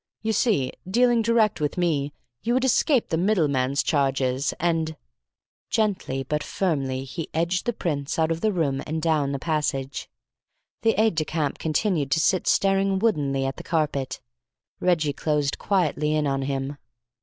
You see, dealing direct with me, you would escape the middleman's charges, and " Gently but firmly he edged the prince out of the room and down the passage. The aide de camp continued to sit staring woodenly at the carpet. Reggie closed quietly in on him.